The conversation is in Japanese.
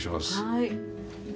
はい。